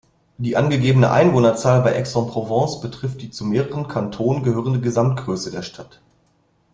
Die angegebene Einwohnerzahl bei Aix-en-Provence betrifft die zu mehreren Kantonen gehörende Gesamtgröße der Stadt.